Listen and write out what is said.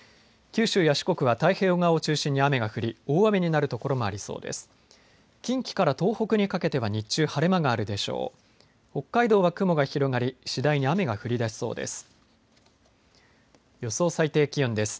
九州や四国は太平洋側を中心に雨が降り大雨になるところもありそうです。